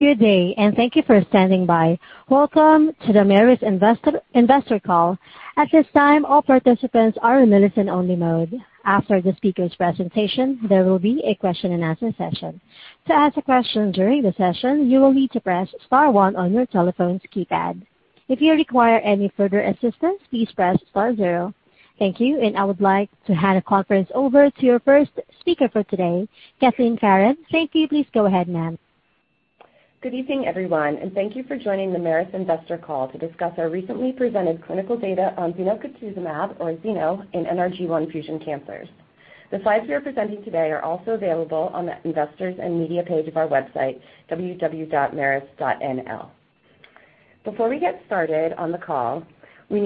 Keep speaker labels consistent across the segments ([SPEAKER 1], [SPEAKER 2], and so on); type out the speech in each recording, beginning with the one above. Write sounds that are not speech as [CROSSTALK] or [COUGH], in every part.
[SPEAKER 1] Good day and thank you for standing by. Welcome to the Merus Investor Call. Thank you, and I would like to hand the conference over to our first speaker for today, Kathleen Farren. Kathleen, please go ahead, ma'am.
[SPEAKER 2] Good evening, everyone, and thank you for joining the Merus Investor Call to discuss our recently presented clinical data on zenocutuzumab, or ZENO, in NRG1 fusion cancers. The slides we are presenting today are also available on the Investors and Media page of our website, www.merus.nl. Before we get started on the call, we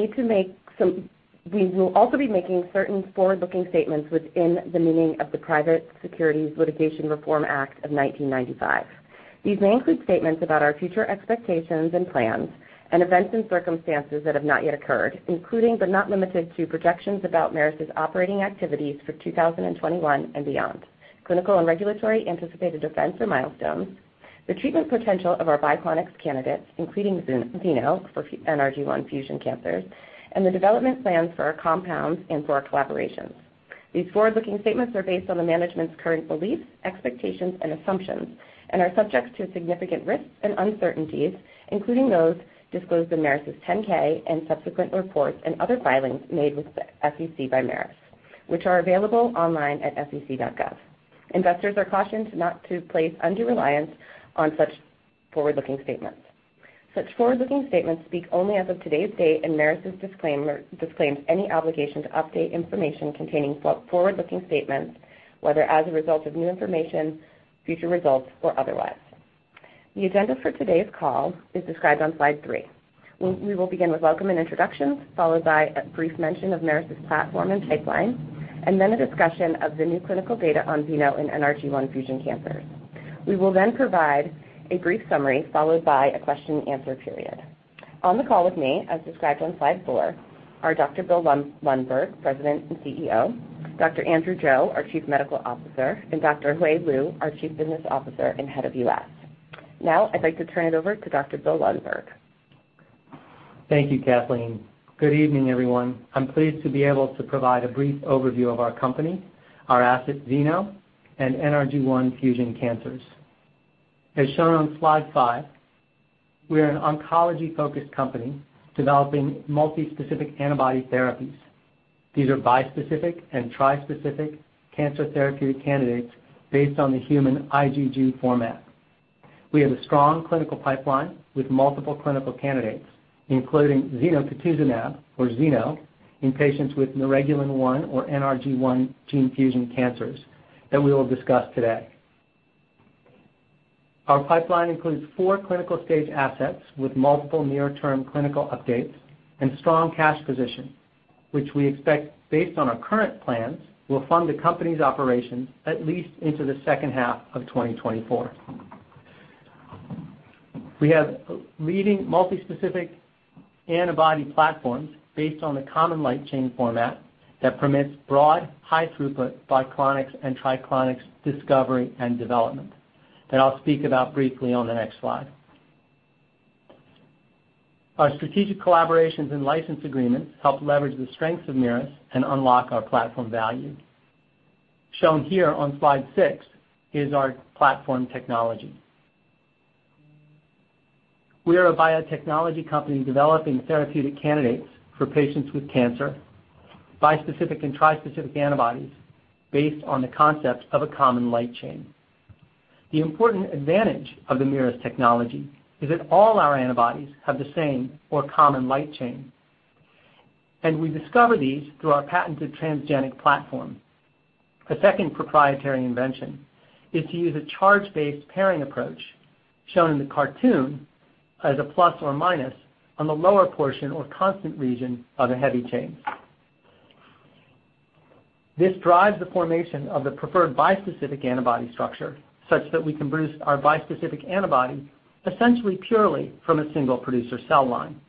[SPEAKER 2] will also be making certain forward-looking statements within the meaning of the Private Securities Litigation Reform Act of 1995. These may include statements about our future expectations and plans and events and circumstances that have not yet occurred. Including, but not limited to, projections about Merus' operating activities for 2021 and beyond, clinical and regulatory anticipated events or milestones, the treatment potential of our Biclonics candidates, including ZENO for NRG1 fusion cancers, and the development plans for our compounds and for our collaborations. These forward-looking statements are based on the management's current beliefs, expectations, and assumptions and are subject to significant risks and uncertainties, including those disclosed in Merus' 10-K and subsequent reports and other filings made with the SEC by Merus, which are available online at sec.gov. Investors are cautioned not to place undue reliance on such forward-looking statements. Such forward-looking statements speak only as of today's date. Merus disclaims any obligation to update information containing such forward-looking statements, whether as a result of new information, future results, or otherwise. The agenda for today's call is described on slide three. We will begin with welcome and introductions, followed by a brief mention of Merus' platform and pipeline, and then a discussion of the new clinical data on ZENO in NRG1 fusion cancers. We will then provide a brief summary followed by a question-and-answer period. On the call with me, as described on slide four, are Dr. Bill Lundberg, President and CEO, Dr. Andrew Joe, our Chief Medical Officer, and Dr. Hui Liu, our Chief Business Officer and Head of U.S. I'd like to turn it over to Dr. Bill Lundberg.
[SPEAKER 3] Thank you, Kathleen. Good evening, everyone. I'm pleased to be able to provide a brief overview of our company, our asset ZENO, and NRG1 fusion cancers. As shown on slide five, we are an oncology-focused company developing multispecific antibody therapies. These are bispecific and trispecific cancer therapeutic candidates based on the human IgG format. We have a strong clinical pipeline with multiple clinical candidates, including zenocutuzumab, or ZENO, in patients with neuregulin-1, or NRG1, gene fusion cancers that we will discuss today. Our pipeline includes four clinical-stage assets with multiple near-term clinical updates and strong cash position, which we expect, based on our current plans, will fund the company's operations at least into the second half of 2024. We have leading multispecific antibody platforms based on the common light chain format that permits broad, high throughput Biclonics and Triclonics discovery and development that I'll speak about briefly on the next slide. Our strategic collaborations and license agreements help leverage the strength of Merus and unlock our platform value. Shown here on slide six is our platform technology. We are a biotechnology company developing therapeutic candidates for patients with cancer, bispecific and trispecific antibodies based on the concepts of a common light chain. The important advantage of the Merus technology is that all our antibodies have the same or common light chain, and we discover these through our patented transgenic platform. A second proprietary invention is to use a charge-based pairing approach, shown in the cartoon as a plus or minus on the lower portion or constant region of a heavy chain. This drives the formation of the preferred bispecific antibody structure, such that we can produce our bispecific antibody essentially purely from a single producer cell line.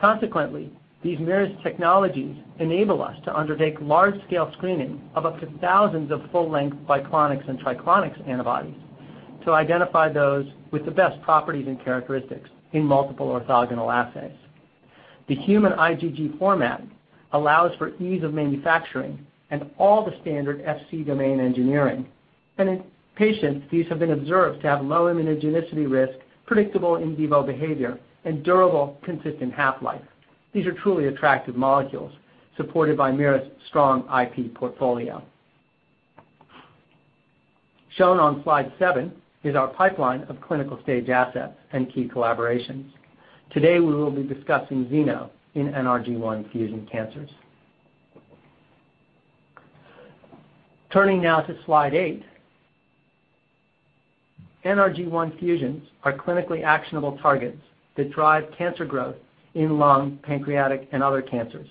[SPEAKER 3] Consequently, these Merus technologies enable us to undertake large-scale screening of up to thousands of full-length Biclonics and Triclonics antibodies to identify those with the best properties and characteristics in multiple orthogonal assays. The human IgG format allows for ease of manufacturing and all the standard Fc domain engineering. In patients, these have been observed to have low immunogenicity risk, predictable in vivo behavior, and durable, consistent half-life. These are truly attractive molecules supported by Merus' strong IP portfolio. Shown on slide seven is our pipeline of clinical-stage assets and key collaborations. Today, we will be discussing ZENO in NRG1 fusion cancers. Turning now to slide eight. NRG1 fusions are clinically actionable targets that drive cancer growth in lung, pancreatic, and other cancers.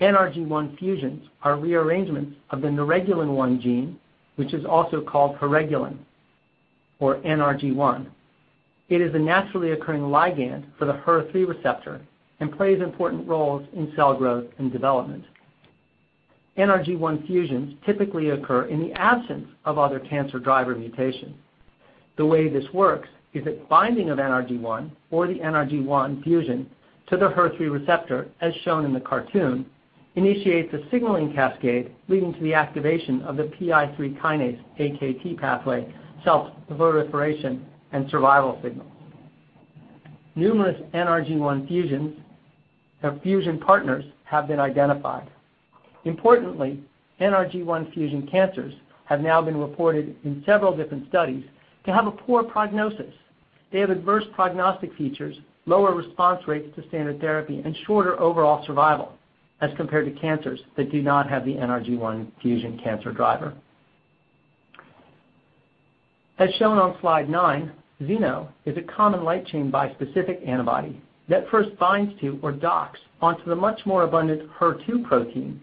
[SPEAKER 3] NRG1 fusions are rearrangements of the neuregulin-1 gene, which is also called heregulin, or NRG1. It is a naturally occurring ligand for the HER3 receptor and plays important roles in cell growth and development. NRG1 fusions typically occur in the absence of other cancer driver mutations. The way this works is that binding of NRG1 or the NRG1 fusion to the HER3 receptor, as shown in the cartoon, initiates a signaling cascade leading to the activation of the PI3/Akt pathway, cell proliferation, and survival signals. Numerous NRG1 fusion partners have been identified. Importantly, NRG1 fusion cancers have now been reported in several different studies to have a poor prognosis. They have adverse prognostic features, lower response rates to standard therapy, and shorter overall survival as compared to cancers that do not have the NRG1 fusion cancer driver. As shown on slide nine, ZENO is a common light-chain bispecific antibody that first binds to or docks onto the much more abundant HER2 protein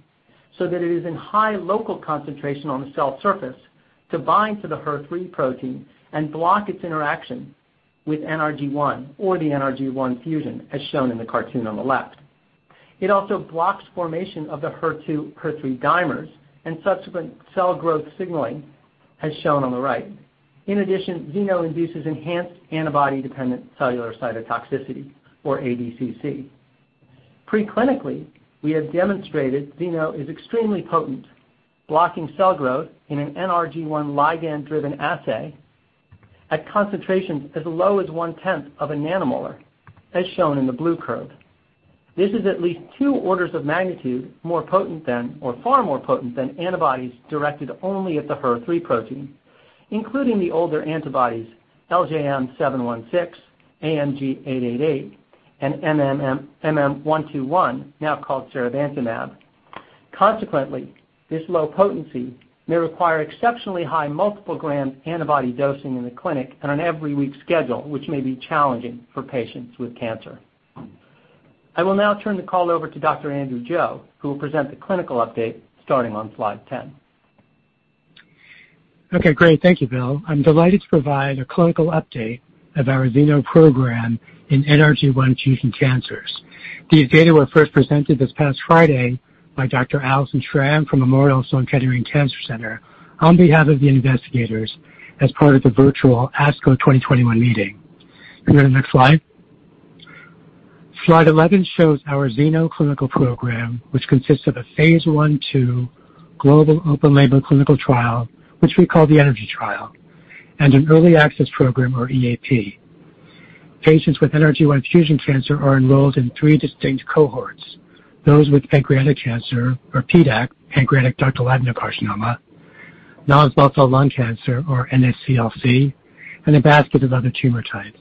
[SPEAKER 3] so that it is in high local concentration on the cell surface to bind to the HER3 protein and block its interaction with NRG1 or the NRG1 fusion, as shown in the cartoon on the left. It also blocks formation of the HER2/HER3 dimers and subsequent cell growth signaling, as shown on the right. In addition, ZENO induces enhanced antibody-dependent cellular cytotoxicity, or ADCC. Preclinically, we have demonstrated ZENO is extremely potent, blocking cell growth in an NRG1 ligand-driven assay at concentrations as low as one-tenth of nanomolar, as shown in the blue curve. This is at least two orders of magnitude more potent than, or far more potent than antibodies directed only at the HER3 protein, including the older antibodies LJM716, AMG-888, and MM-121, now called seribantumab. Consequently, this low potency may require exceptionally high multiple gram antibody dosing in the clinic on an every-week schedule, which may be challenging for patients with cancer. I will now turn the call over to Dr. Andrew Joe, who will present the clinical update starting on slide 10.
[SPEAKER 4] Okay, great. Thank you, Bill. I'm delighted to provide a clinical update of our ZENO program in NRG1 fusion cancers. These data were first presented this past Friday by Dr. Alison Schram from Memorial Sloan Kettering Cancer Center on behalf of the investigators as part of the virtual ASCO 2021 meeting. Can we go to the next slide? Slide 11 shows our ZENO clinical program, which consists of a phase I/II global open-label clinical trial, which we call the eNRGy trial, and an early access program, or EAP. Patients with NRG1 fusion cancer are enrolled in three distinct cohorts: those with pancreatic cancer or PDAC, pancreatic ductal adenocarcinoma, non-small cell lung cancer or NSCLC, and a basket of other tumor types.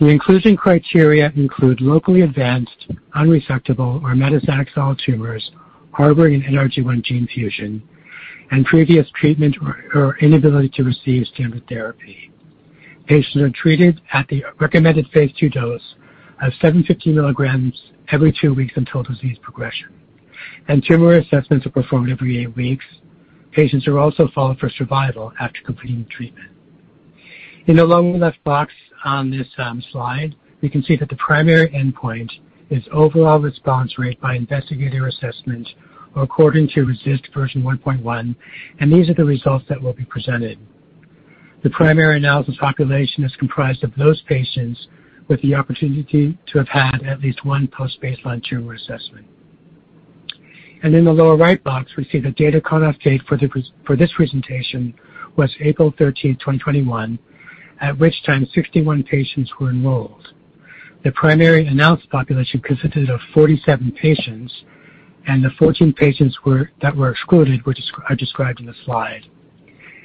[SPEAKER 4] The inclusion criteria include locally advanced, unresectable, or metastatic solid tumors harboring an NRG1 gene fusion and previous treatment or inability to receive standard therapy. Patients are treated at the recommended phase II dose of 750 milligrams every two weeks until disease progression, and tumor assessments are performed every eight weeks. Patients are also followed for survival after completing treatment. In the lower left box on this slide, we can see that the primary endpoint is overall response rate by investigator assessment according to RECIST 1.1, and these are the results that will be presented. The primary analysis population is comprised of those patients with the opportunity to have had at least one post-baseline tumor assessment. In the lower right box, we see the data cut-off date for this presentation was April 13, 2021, at which time 61 patients were enrolled. The primary announced population consisted of 47 patients, and the 14 patients that were excluded are described in the slide.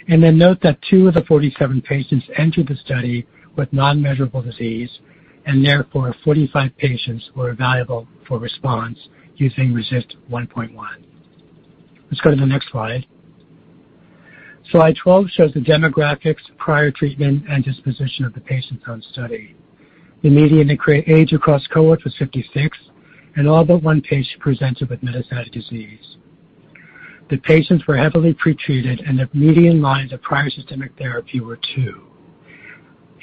[SPEAKER 4] Note that two of the 47 patients entered the study with non-measurable disease, therefore 45 patients were evaluable for response using RECIST 1.1. Let's go to the next slide. Slide 12 shows the demographics, prior treatment, and disposition of the patients on study. The median age across cohorts was 56, and all but one patient presented with metastatic disease. The patients were heavily pretreated and have median lines of prior systemic therapy were two.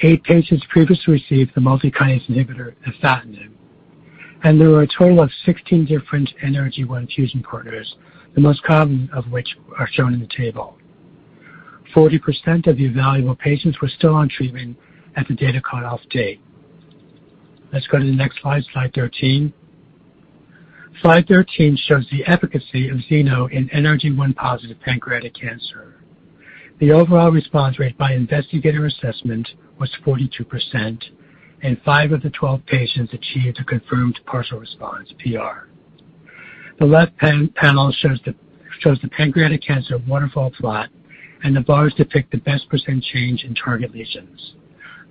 [SPEAKER 4] Eight patients previously received the multikinase inhibitor, afatinib. There were a total of 16 different NRG1 fusion partners, the most common of which are shown in the table. 40% of the evaluable patients were still on treatment at the data cut-off date. Let's go to the next slide 13. Slide 13 shows the efficacy of ZENO in NRG1 positive pancreatic cancer. The overall response rate by investigator assessment was 42%, and five of the 12 patients achieved a confirmed Partial Response, PR. The left panel shows the pancreatic cancer waterfall plot, and the bars depict the best percent change in target lesions.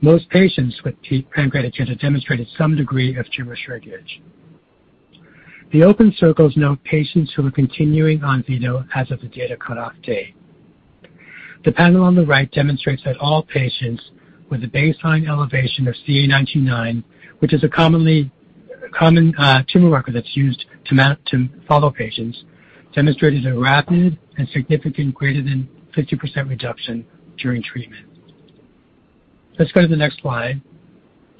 [SPEAKER 4] Most patients with pancreatic cancer demonstrated some degree of tumor shrinkage. The open circles note patients who are continuing on ZENO as of the data cut-off date. The panel on the right demonstrates that all patients with a baseline elevation of CA 19-9, which is a common tumor marker that's used to follow patients, demonstrated a rapid and significant greater than 50% reduction during treatment. Let's go to the next slide.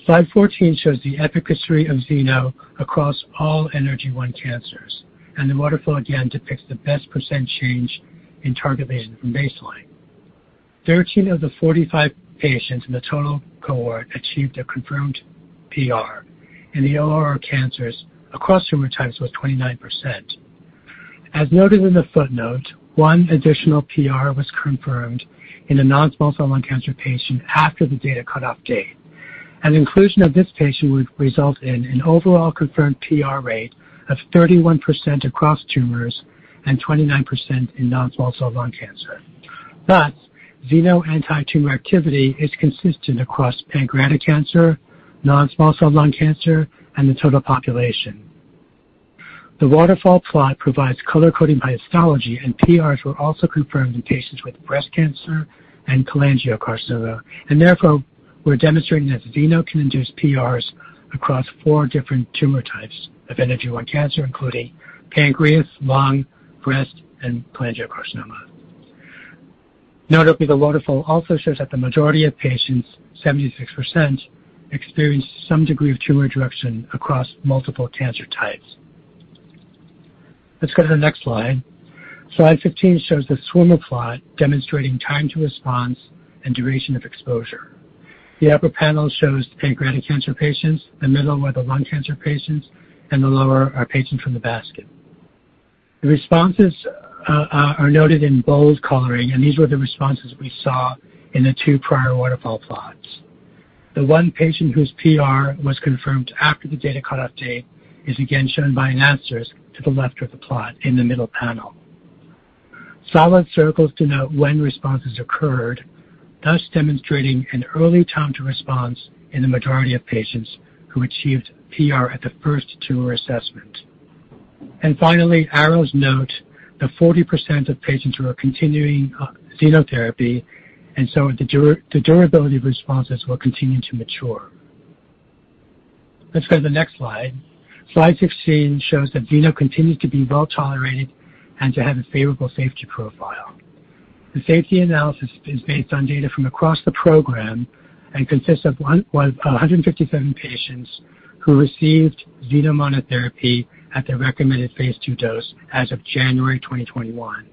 [SPEAKER 4] Slide 14 shows the efficacy of ZENO across all NRG1 cancers, and the waterfall again depicts the best percent change in target lesion from baseline. 13 of the 45 patients in the total cohort achieved a confirmed PR in the ORR cancers across tumor types was 29%. As noted in the footnote, one additional PR was confirmed in a non-small cell lung cancer patient after the data cut-off date. An inclusion of this patient would result in an overall confirmed PR rate of 31% across tumors and 29% in non-small cell lung cancer. Thus, ZENO anti-tumor activity is consistent across pancreatic cancer, non-small cell lung cancer, and the total population. The waterfall plot provides color-coding by histology, PRs were also confirmed in patients with breast cancer and cholangiocarcinoma. Therefore, we're demonstrating that ZENO can induce PRs across four different tumor types of NRG1 cancer, including pancreas, lung, breast, and cholangiocarcinoma. Notably, the waterfall also shows that the majority of patients, 76%, experienced some degree of tumor reduction across multiple cancer types. Let's go to the next slide. Slide 15 shows the swim plot demonstrating time to response and duration of exposure. The upper panel shows pancreatic cancer patients, the middle are the lung cancer patients, and the lower are patients from the basket. The responses are noted in bold coloring, and these were the responses we saw in the two prior waterfall plots. The one patient whose PR was confirmed after the data cut-off date is again shown by an asterisk to the left of the plot in the middle panel. Solid circles denote when responses occurred, thus demonstrating an early time to response in the majority of patients who achieved PR at the first tumor assessment. Finally, arrows note the 40% of patients who are continuing ZENO therapy, and so the durability of responses will continue to mature. Let's go to the next slide. Slide 16 shows that ZENO continues to be well-tolerated and to have a favorable safety profile. The safety analysis is based on data from across the program and consists of 157 patients who received ZENO monotherapy at the recommended phase II dose as of January 2021.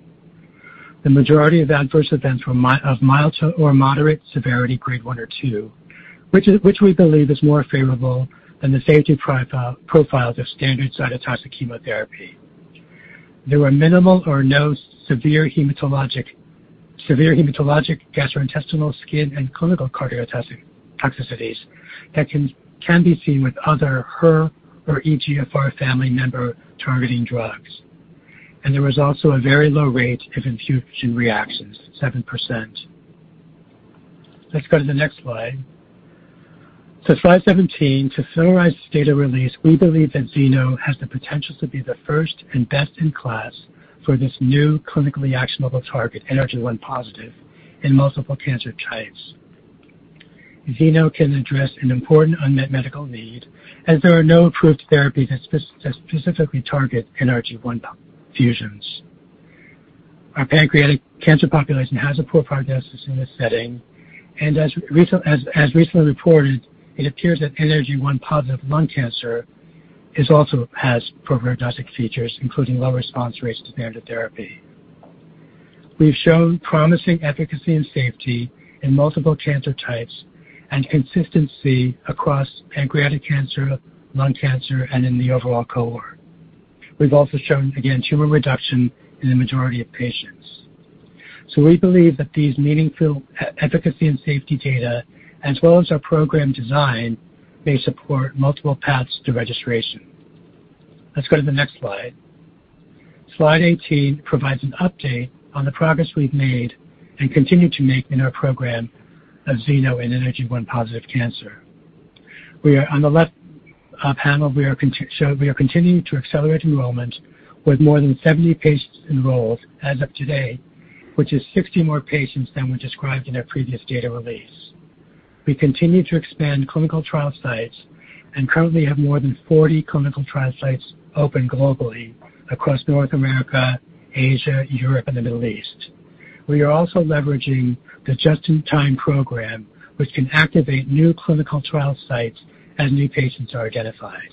[SPEAKER 4] The majority of adverse events were of mild or moderate severity, Grade 1 or 2, which we believe is more favorable than the safety profile of standard cytotoxic chemotherapy. There were minimal or no severe hematologic, gastrointestinal, skin, and clinical cardiac toxicities that can be seen with other HER or EGFR family member-targeting drugs. There was also a very low rate of infusion reactions, 7%. Let's go to the next slide. Slide 17, to summarize this data release, we believe that ZENO has the potential to be the first and best-in-class for this new clinically actionable target, NRG1 positive, in multiple cancer types. ZENO can address an important unmet medical need, as there are no approved therapies that specifically target NRG1 fusions. Our pancreatic cancer population has a poor prognosis in this setting, and as recently reported, it appears that NRG1 positive lung cancer also has poor prognostic features, including low response rates to standard therapy. We've shown promising efficacy and safety in multiple cancer types and consistency across pancreatic cancer, lung cancer, and in the overall cohort. We've also shown, again, tumor reduction in the majority of patients. We believe that these meaningful efficacy and safety data, as well as our program design, may support multiple paths to registration. Let's go to the next slide. Slide 18 provides an update on the progress we've made and continue to make in our program of ZENO in NRG1-positive cancer. On the left panel, we are continuing to accelerate enrollment with more than 70 patients enrolled as of today, which is 60 more patients than we described in our previous data release. We continue to expand clinical trial sites and currently have more than 40 clinical trial sites open globally across North America, Asia, Europe, and the Middle East. We are also leveraging the Just-in-Time program, which can activate new clinical trial sites as new patients are identified.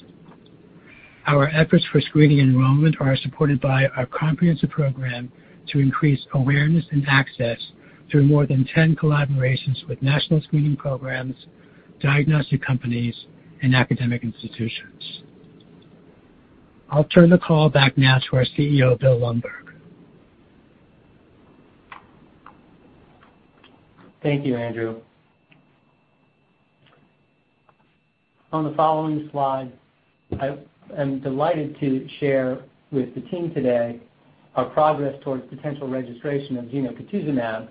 [SPEAKER 4] Our efforts for screening enrollment are supported by our comprehensive program to increase awareness and access through more than 10 collaborations with national screening programs, diagnostic companies, and academic institutions. I'll turn the call back now to our CEO, Bill Lundberg.
[SPEAKER 3] Thank you, Andrew. On the following slide, I am delighted to share with the team today our progress towards potential registration of zenocutuzumab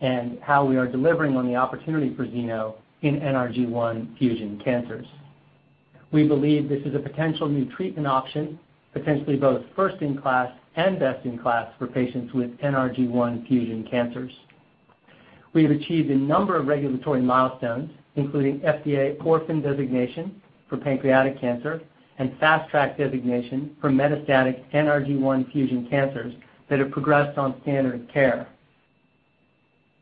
[SPEAKER 3] and how we are delivering on the opportunity for ZENO in NRG1 fusion cancers. We believe this is a potential new treatment option, potentially both first in class and best in class for patients with NRG1 fusion cancers. We have achieved a number of regulatory milestones, including FDA orphan designation for pancreatic cancer and Fast Track designation for metastatic NRG1 fusion cancers that have progressed on standard of care.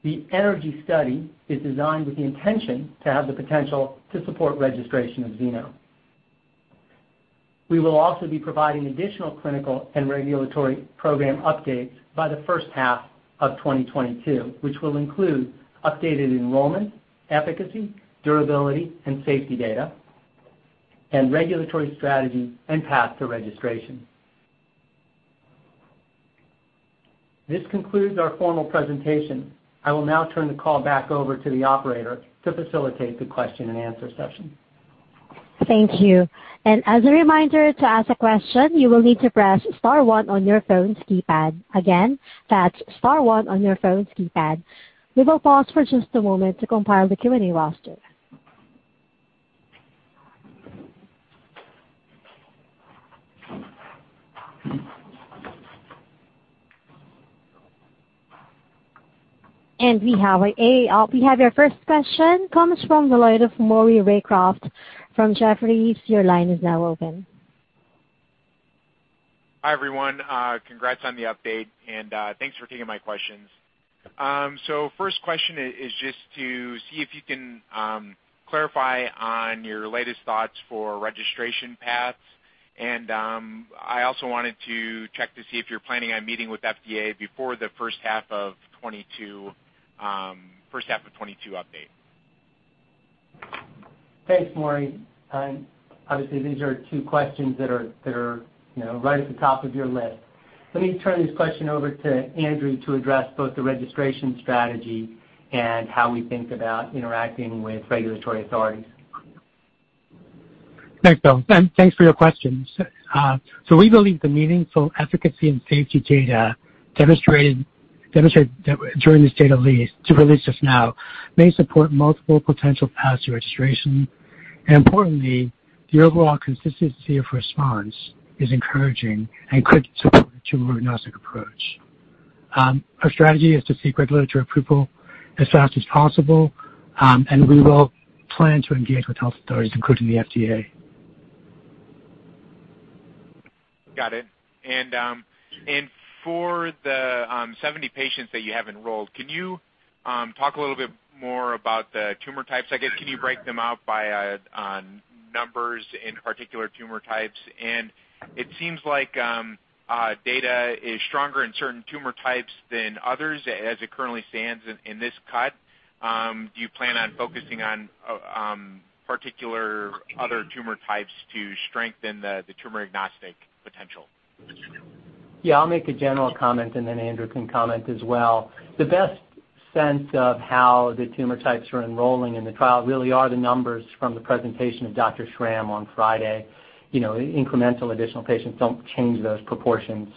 [SPEAKER 3] The eNRGy study is designed with the intention to have the potential to support registration of ZENO. We will also be providing additional clinical and regulatory program updates by the first half of 2022, which will include updated enrollment, efficacy, durability, and safety data, and regulatory strategy and path to registration. This concludes our formal presentation. I will now turn the call back over to the operator to facilitate the question-and-answer session.
[SPEAKER 1] Thank you. As a reminder, to ask a question, you will need to press star one on your phone's keypad. Again, that's star one on your phone's keypad. We will pause for just a moment to compile the queue roster. We have our first question, comes from the line of Maury Raycroft from Jefferies. Your line is now open.
[SPEAKER 5] Hi, everyone. Congrats on the update. Thanks for taking my questions. First question is just to see if you can clarify on your latest thoughts for registration paths. I also wanted to check to see if you're planning on meeting with FDA before the first half of 2022 update.
[SPEAKER 3] Thanks, Maury. Obviously, these are two questions that are right at the top of your list. Let me turn this question over to Andrew to address both the registration strategy and how we think about interacting with regulatory authorities.
[SPEAKER 4] Thanks, Bill. Thanks for your questions. We believe the meaningful efficacy and safety data demonstrated during this data release may support multiple potential paths to registration. Importantly, the overall consistency of response is encouraging and could support the tumor-agnostic approach. Our strategy is to seek regulatory approval as fast as possible, and we will plan to engage with health authorities, including the FDA.
[SPEAKER 5] Got it. For the 70 patients that you have enrolled, can you talk a little bit more about the tumor types? Can you break them out by numbers in particular tumor types? It seems like data is stronger in certain tumor types than others as it currently stands in this cut. Do you plan on focusing on particular other tumor types to strengthen the tumor-agnostic potential?
[SPEAKER 3] Yeah, I'll make a general comment, and then Andrew can comment as well. The best sense of how the tumor types are enrolling in the trial really are the numbers from the presentation of Dr. Schram on Friday. Incremental additional patients don't change those proportions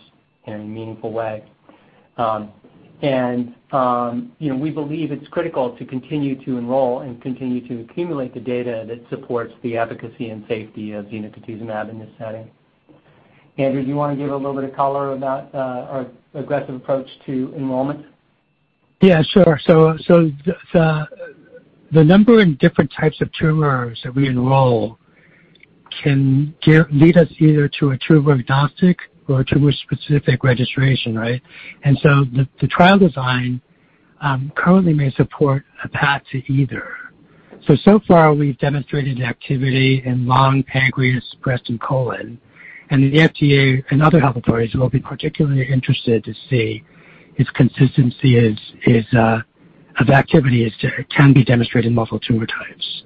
[SPEAKER 3] in a meaningful way. We believe it's critical to continue to enroll and continue to accumulate the data that supports the efficacy and safety of zenocutuzumab in this setting. Andrew, do you want to give a little bit of color about our aggressive approach to enrollment?
[SPEAKER 4] Yeah, sure. The number of different types of tumors that we enroll can lead us either to a tumor-agnostic or tumor-specific registration. Right? The trial design currently may support a path to either. So far, we've demonstrated activity in lung, pancreas, breast, and colon. The FDA and other health authorities will be particularly interested to see if consistency of activity can be demonstrated in multiple tumor types.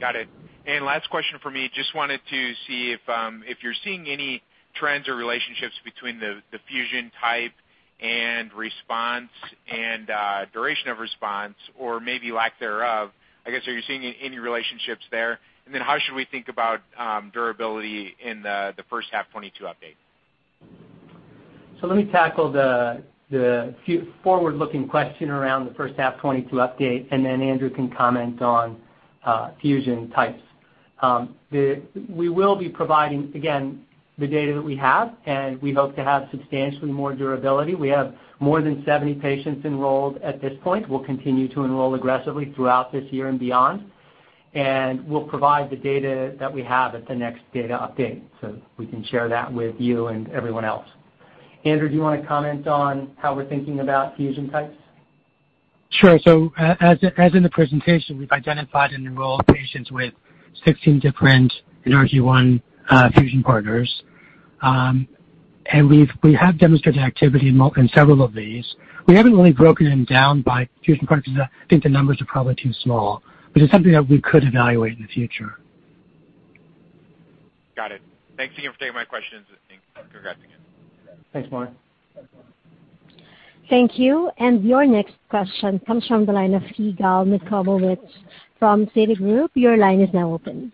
[SPEAKER 5] Got it. Last question from me, just wanted to see if you're seeing any trends or relationships between the fusion type and response and duration of response or maybe lack thereof. I guess, are you seeing any relationships there? How should we think about durability in the first half 2022 update?
[SPEAKER 3] Let me tackle the forward-looking question around the first half 2022 update, and then Andrew can comment on fusion types. We will be providing, again, the data that we have, and we hope to have substantially more durability. We have more than 70 patients enrolled at this point. We'll continue to enroll aggressively throughout this year and beyond, and we'll provide the data that we have at the next data update, so we can share that with you and everyone else. Andrew, do you want to comment on how we're thinking about fusion types?
[SPEAKER 4] Sure. As in the presentation, we've identified and enrolled patients with 16 different NRG1 fusion partners. We have demonstrated activity in several of these. We haven't really broken them down by fusion partners. I think the numbers are probably too small, but it's something that we could evaluate in the future.
[SPEAKER 5] Got it. Thank you for taking my questions and thanks for congrats again.
[SPEAKER 3] Thanks, Maury.
[SPEAKER 1] Thank you. Your next question comes from the line of [AUDIO DISTORTION] from. [AUDIO DISTORTION] Your line is now open.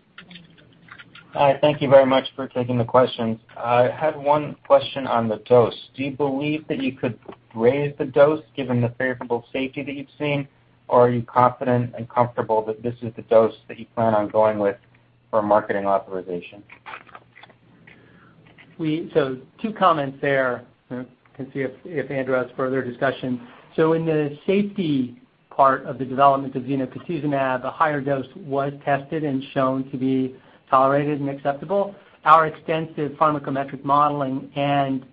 [SPEAKER 6] Hi. Thank you very much for taking the questions. I had one question on the dose. Do you believe that you could raise the dose given the favorable safety that you've seen? Or are you confident and comfortable that this is the dose that you plan on going with for marketing authorization?
[SPEAKER 3] Two comments there. Can see if Andrew has further discussion. In the safety part of the development of zenocutuzumab, a higher dose was tested and shown to be tolerated and acceptable. Our extensive pharmacometric modeling and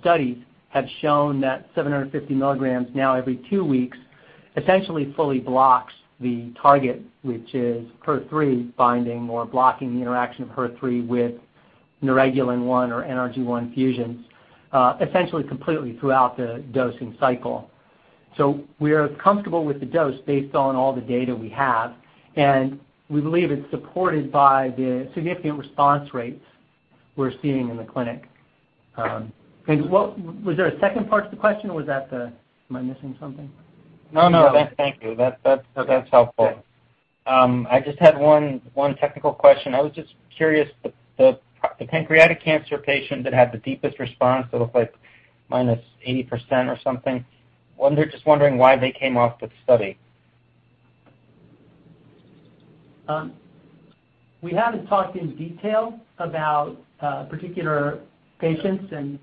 [SPEAKER 3] studies have shown that 750 milligrams now every two weeks essentially fully blocks the target, which is HER3 binding or blocking the interaction of HER3 with neuregulin-1 or NRG1 fusions, essentially completely throughout the dosing cycle. We are comfortable with the dose based on all the data we have, and we believe it's supported by the significant response rates we're seeing in the clinic. Was there a second part to the question, or am I missing something?
[SPEAKER 6] No, that's thank you. That's helpful. I just had one technical question. I was just curious, the pancreatic cancer patients that had the deepest response, it looked like minus 80% or something, I'm just wondering why they came off the study.
[SPEAKER 3] We haven't talked in detail about particular patients and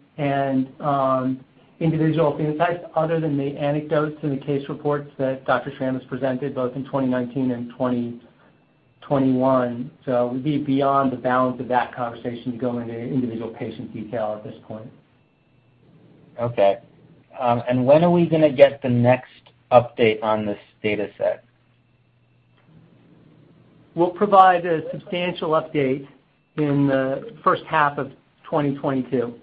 [SPEAKER 3] individual phenotypes other than the anecdotes and the case reports that Dr. Schram presented both in 2019 and 2021. We'd be beyond the bounds of that conversation to go into individual patient detail at this point.
[SPEAKER 6] Okay. When are we going to get the next update on this data set?
[SPEAKER 3] We'll provide a substantial update in the first half of 2022,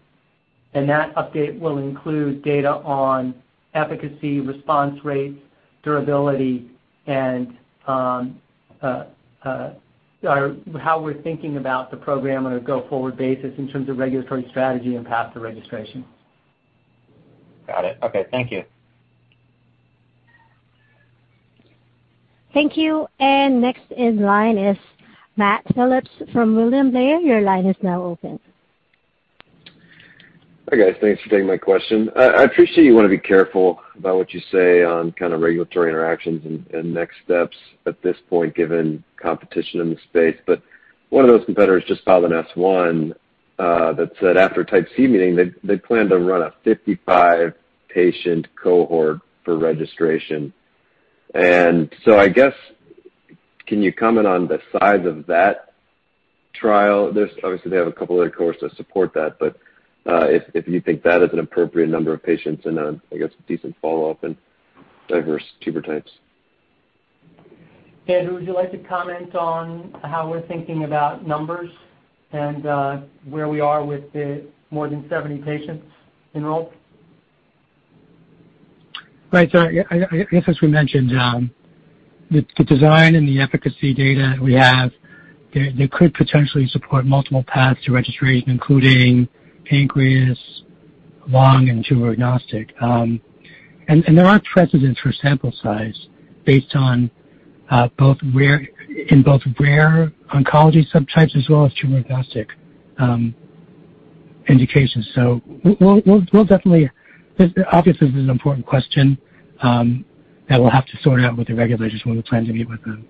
[SPEAKER 3] and that update will include data on efficacy, response rates, durability, and how we're thinking about the program on a go-forward basis in terms of regulatory strategy and path to registration.
[SPEAKER 6] Got it. Okay. Thank you.
[SPEAKER 1] Thank you. Next in line is Matt Phillips from. [AUDIO DISTORTION] Your line is now open.
[SPEAKER 7] Hi, guys. Thanks for taking my question. I appreciate you want to be careful about what you say on regulatory interactions and next steps at this point, given competition in the space. One of those competitors just filed an S-1 that said after Type C meeting, they plan to run a 55-patient cohort for registration. I guess, can you comment on the size of that trial? They obviously have a couple other cohorts to support that, but if you think that is an appropriate number of patients in a, I guess, decent follow-up and diverse tumor types.
[SPEAKER 3] Andrew, would you like to comment on how we're thinking about numbers and where we are with the more than 70 patients enrolled?
[SPEAKER 4] Right. I guess as we mentioned, the design and the efficacy data that we have, they could potentially support multiple paths to registration, including pancreas, lung, and tumor agnostic. There are precedents for sample size based on both rare oncology subtypes as well as tumor agnostic indications. Obviously, this is an important question that we'll have to sort out with the regulators when we plan to meet with them.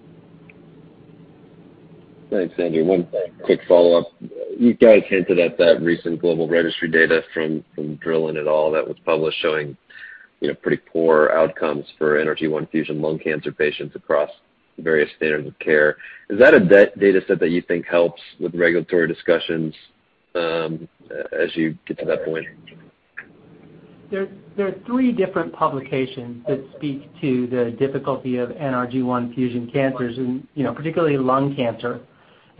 [SPEAKER 7] Thanks, Andrew. One quick follow-up. You guys hinted at that recent global registry data from Drilon et al. that was published showing pretty poor outcomes for NRG1 fusion lung cancer patients across the various standard of care. Is that a data set that you think helps with regulatory discussions as you get to that point?
[SPEAKER 3] There are three different publications that speak to the difficulty of NRG1 fusion cancers, and particularly lung cancer,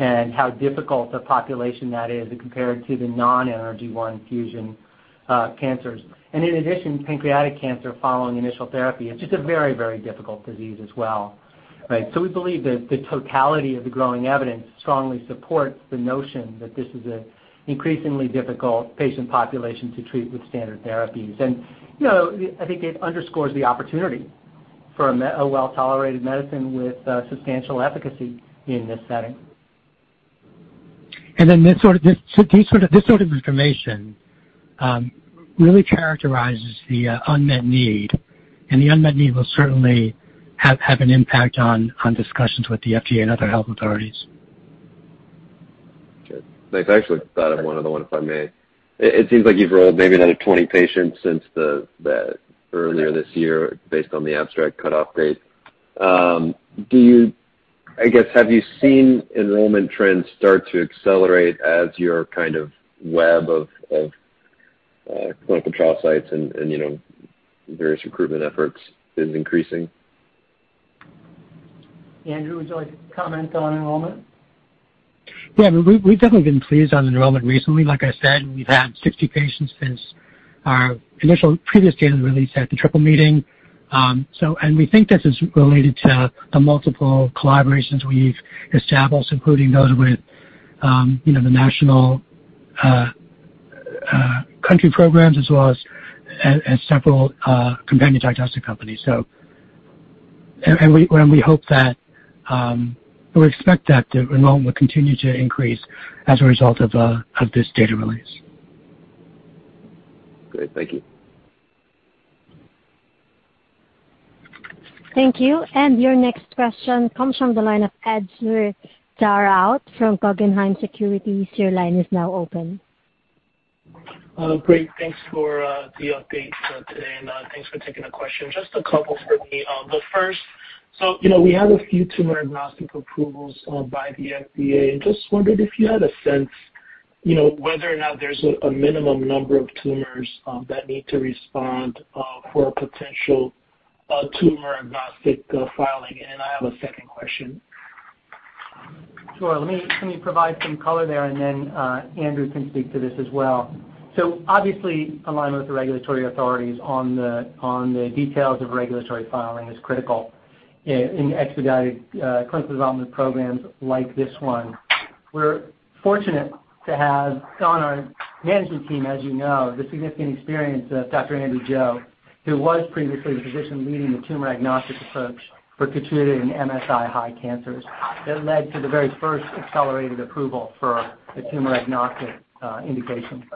[SPEAKER 3] and how difficult the population that is compared to the non-NRG1 fusion cancers. In addition, pancreatic cancer following initial therapy, it's just a very, very difficult disease as well. We believe that the totality of the growing evidence strongly supports the notion that this is an increasingly difficult patient population to treat with standard therapies. I think it underscores the opportunity for a well-tolerated medicine with substantial efficacy in this setting.
[SPEAKER 4] This sort of information really characterizes the unmet need, and the unmet need will certainly have an impact on discussions with the FDA and other health authorities.
[SPEAKER 7] Thanks. Actually, if I may. It seems like you've enrolled maybe another 20 patients since earlier this year based on the abstract cutoff date. I guess, have you seen enrollment trends start to accelerate as your web of clinical trial sites and various recruitment efforts is increasing?
[SPEAKER 3] Andrew, would you like to comment on enrollment?
[SPEAKER 4] Yeah. We've definitely been pleased on enrollment recently. Like I said, we've had 60 patients since our initial previous data release at the Triple meeting. We think this is related to the multiple collaborations we've established, including those with the national country programs as well as several companion diagnostic companies. We expect that the enrollment will continue to increase as a result of this data release.
[SPEAKER 7] Great. Thank you.
[SPEAKER 1] Thank you. Your next question comes from the line of Etzer Darout from Guggenheim Securities. Your line is now open.
[SPEAKER 8] Great. Thanks for the update today, and thanks for taking the question. Just a couple for me. The first, we had a few tumor agnostic approvals by the FDA and just wondered if you had a sense whether or not there's a minimum number of tumors that need to respond for a potential tumor-agnostic filing. I have a second question.
[SPEAKER 3] Sure. Let me provide some color there, and then Andrew can speak to this as well. Obviously, aligning with the regulatory authorities on the details of regulatory filing is critical in expedited clinical development programs like this one. We're fortunate to have on our management team, as you know, the significant experience of Dr. Andrew Joe, who was previously position leading the tumor-agnostic approach for KEYTRUDA in MSI-high cancers that led to the very first accelerated approval for the tumor-agnostic indication.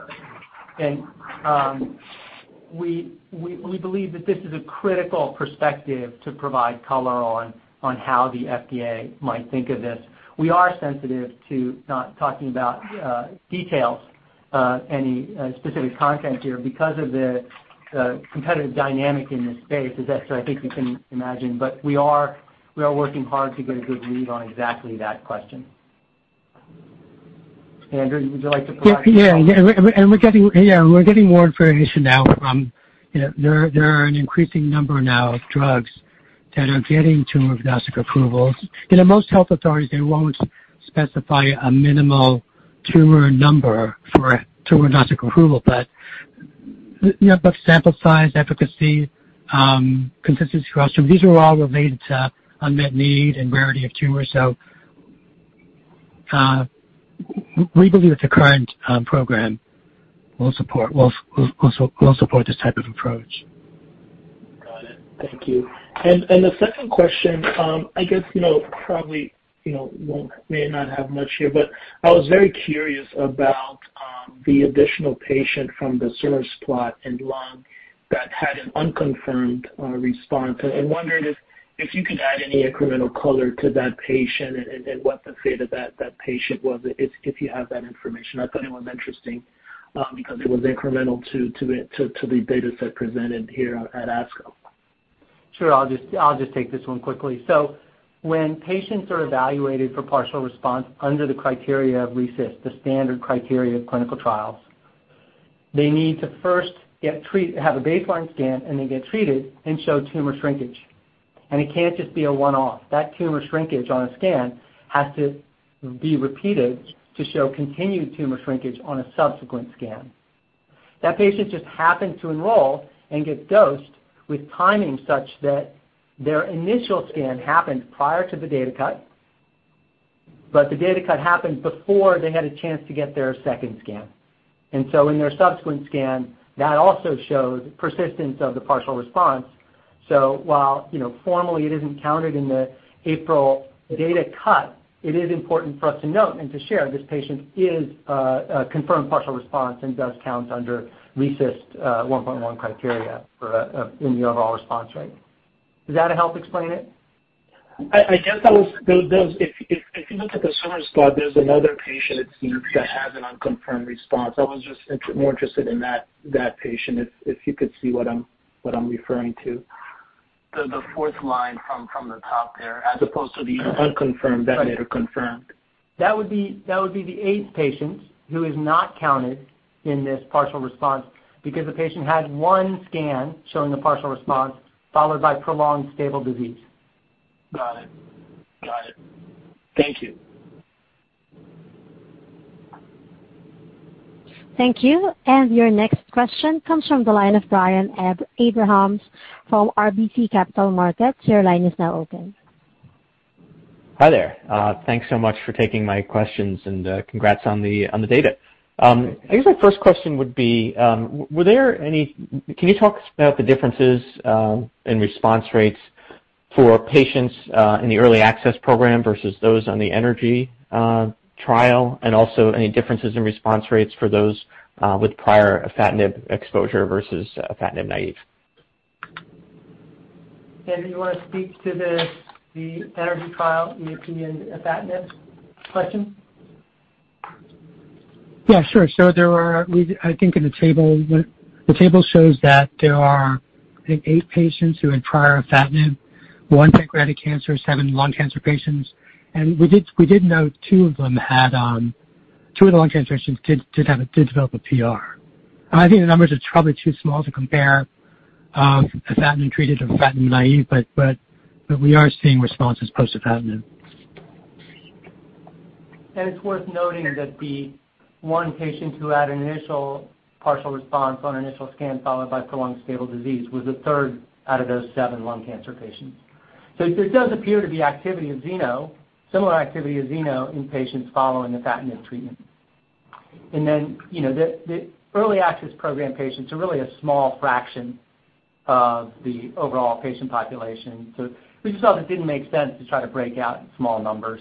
[SPEAKER 3] We believe that this is a critical perspective to provide color on how the FDA might think of this. We are sensitive to not talking about details of any specific content here because of the competitive dynamic in this space, as I think we can imagine. We are working hard to get a good read on exactly that question. Andrew, would you like to provide-
[SPEAKER 4] Yeah. We're getting more information now. There are an increasing number now of drugs that are getting tumor-agnostic approvals. In most health authorities, they won't specify a minimal tumor number for a tumor-agnostic approval. Sample size, efficacy, consistency across tumors, these are all related to unmet need and rarity of tumor. We believe that the current program will support this type of approach.
[SPEAKER 8] Got it. Thank you. The second question, I guess probably may not have much here, but I was very curious about the additional patient from the swimmer plot in lung that had an unconfirmed response. I wondered if you could add any incremental color to that patient and what the fate of that patient was, if you have that information. I thought it was interesting because it was incremental to the data set presented here at ASCO.
[SPEAKER 3] Sure, I'll just take this one quickly. When patients are evaluated for Partial Response under the criteria of RECIST, the standard criteria of clinical trials, they need to first have a baseline scan and then get treated and show tumor shrinkage. It can't just be a one-off. That tumor shrinkage on a scan has to be repeated to show continued tumor shrinkage on a subsequent scan. That patient just happened to enroll and get dosed with timing such that their initial scan happened prior to the data cut, but the data cut happened before they had a chance to get their second scan. In their subsequent scan, that also showed persistence of the Partial Response. While formally it isn't counted in the April data cut, it is important for us to note and to share this patient is a confirmed Partial Response and does count under RECIST 1.1 criteria in the overall response rate. Does that help explain it?
[SPEAKER 8] If you look at the service plot, there's another patient it seems that has an unconfirmed response. I was just more interested in that patient, if you could see what I'm referring to.
[SPEAKER 3] The fourth line from the top there, as opposed to.
[SPEAKER 8] Unconfirmed, that data confirmed.
[SPEAKER 3] That would be the eighth patient who is not counted in this Partial Response because the patient had one scan showing the Partial Response followed by prolonged stable disease.
[SPEAKER 8] Got it. Thank you.
[SPEAKER 1] Thank you. Your next question comes from the line of Brian Abrahams for RBC Capital Markets. Your line is now open.
[SPEAKER 9] Hi there. Thanks so much for taking my questions and congrats on the data. I guess my first question would be, can you talk about the differences in response rates for patients in the early access program versus those on the eNRGy trial, also any differences in response rates for those with prior afatinib exposure versus afatinib?
[SPEAKER 3] Andrew, you want to speak to the eNRGy trial in opinion afatinib question?
[SPEAKER 4] Yeah, sure. I think the table shows that there are, I think, eight patients who had prior afatinib, one pancreatic cancer, seven lung cancer patients. We did note two of the lung cancer patients did develop a PR. I think the numbers are probably too small to compare afatinib treated with afatinib naive, we are seeing responses close to afatinib.
[SPEAKER 3] It's worth noting here that the one patient who had initial Partial Response on initial scan followed by prolonged stable disease was a third out of those seven lung cancer patients. It does appear to be activity of ZENO, similar activity of ZENO in patients following afatinib treatment. The early access program patients are really a small fraction of the overall patient population. We just thought it didn't make sense to try to break out in small numbers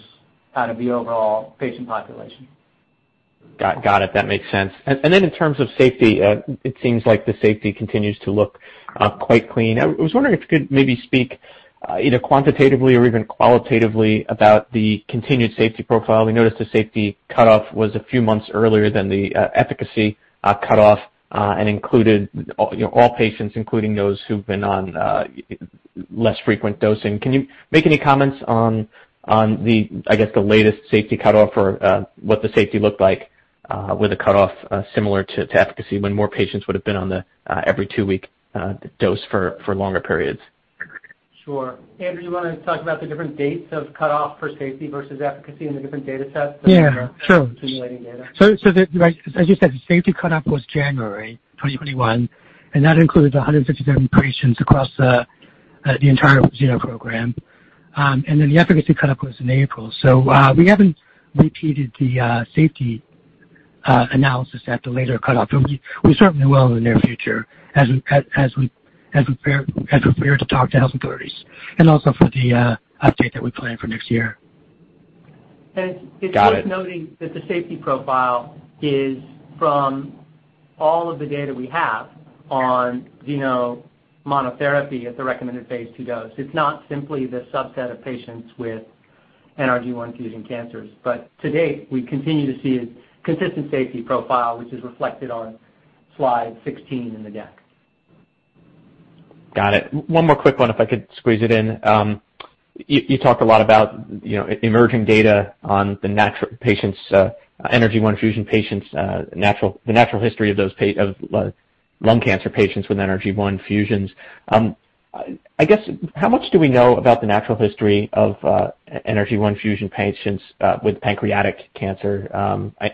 [SPEAKER 3] out of the overall patient population.
[SPEAKER 9] Got it. That makes sense. In terms of safety, it seems like the safety continues to look quite clean. I was wondering if you could maybe speak either quantitatively or even qualitatively about the continued safety profile. We noticed the safety cutoff was a few months earlier than the efficacy cutoff and included all patients, including those who've been on less frequent dosing. Can you make any comments on the latest safety cutoff or what the safety looked like with a cutoff similar to efficacy when more patients would have been on the every 2-week dose for longer periods?
[SPEAKER 3] Sure. Andrew, do you want to talk about the different dates of cutoff for safety versus efficacy in the different data sets for the submitting data?
[SPEAKER 4] Yeah, sure. As you said, the safety cutoff was January 2021. That includes 157 patients across the entire ZENO program. The efficacy cutoff was in April. We haven't repeated the safety analysis at the later cutoff, but we certainly will in the near future as we prepare to talk to health authorities and also for the update that we plan for next year.
[SPEAKER 3] It's worth noting that the safety profile is from all of the data we have on ZENO monotherapy at the recommended phase II dose. It's not simply the subset of patients with NRG1 fusion cancers. To date, we continue to see a consistent safety profile, which is reflected on slide 16 in the deck.
[SPEAKER 9] Got it. One more quick one if I could squeeze it in. You talk a lot about the emerging data on the natural history of lung cancer patients with NRG1 fusions. How much do we know about the natural history of NRG1 fusion patients with pancreatic cancer?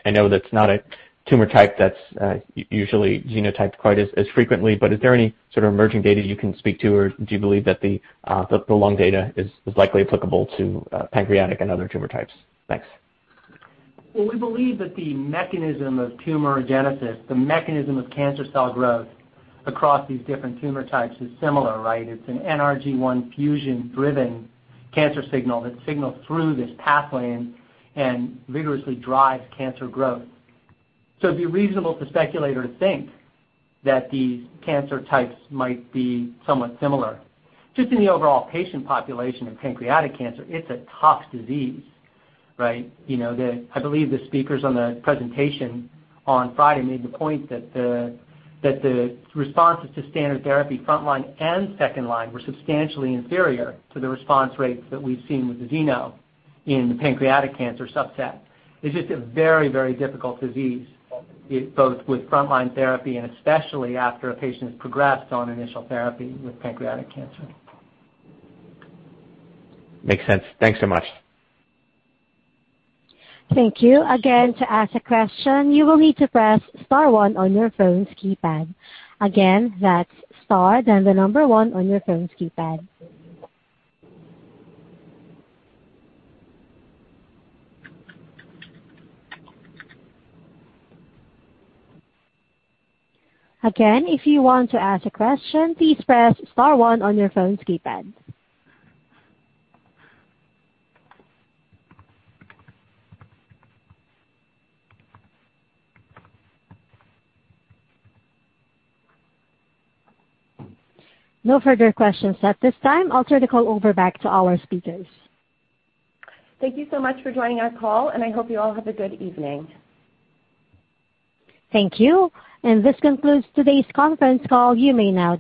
[SPEAKER 9] I know that's not a tumor type that's usually genotyped quite as frequently, but is there any sort of emerging data you can speak to, or do you believe that the lung data is likely applicable to pancreatic and other tumor types? Thanks.
[SPEAKER 3] Well, we believe that the mechanism of tumor genesis, the mechanism of cancer cell growth across these different tumor types is similar, right? It's an NRG1 fusion-driven cancer signal that signals through this pathway and vigorously drives cancer growth. It'd be reasonable to speculate or think that these cancer types might be somewhat similar. Just in the overall patient population of pancreatic cancer, it's a tough disease, right? I believe the speakers on the presentation on Friday made the point that the responses to standard therapy frontline and second line were substantially inferior to the response rates that we've seen with the ZENO in the pancreatic cancer subset. It's just a very difficult disease, both with frontline therapy and especially after a patient's progressed on initial therapy with pancreatic cancer.
[SPEAKER 9] Makes sense. Thanks so much.
[SPEAKER 1] Thank you. To ask a question, you will need to press star one on your phone's keypad. That's star, then the number one on your phone's keypad. If you want to ask a question, please press star one on your phone's keypad. No further questions at this time. I'll turn the call over back to our speakers.
[SPEAKER 2] Thank you so much for joining our call, and I hope you all have a good evening.
[SPEAKER 1] Thank you. This concludes today's conference call. You may now disconnect.